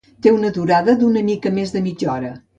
Té una durada d'una mica més de mitja hora.